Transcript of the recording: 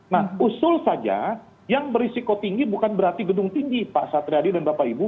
nah usul saja yang berisiko tinggi bukan berarti gedung tinggi pak satriadi dan bapak ibu